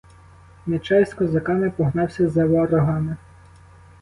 Нечай з козаками погнався за ворогами.